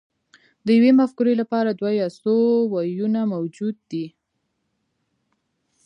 د یوې مفکورې لپاره دوه یا څو ویونه موجود وي